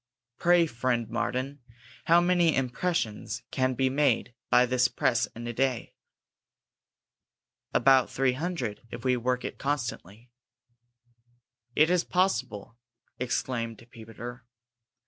"Pray, friend Martin, how many impressions can be made by this press in a day?" "About three hundred, if we work it constantly." "Is it possible!" exclaimed Peter.